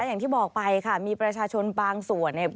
อย่างที่บอกไปค่ะมีประชาชนบางส่วนเนี่ย